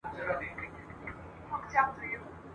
په سبا اعتبار نسته که هرڅو ښکاریږي ښکلی ..